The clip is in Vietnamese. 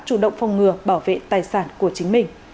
chủ động phòng ngừa bảo vệ tài sản của chính mình